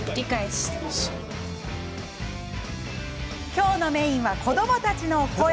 今日のメインは子どもたちの声。